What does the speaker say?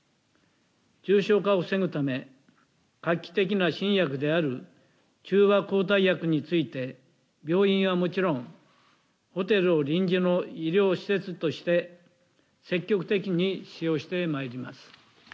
重症化を防ぐため画期的な新薬である中和抗体薬について病院はもちろん、ホテルを臨時の医療施設として積極的に使用してまいります。